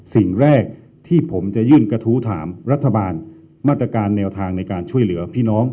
สิ่งแรกที่ผมจะยื่นกระทู้ถามรัฐบาลมาตรการแนวทางในการช่วยเหลือพี่น้อง